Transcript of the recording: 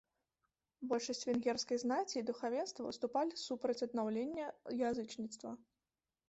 Большасць венгерскай знаці і духавенства выступалі супраць аднаўлення язычніцтва.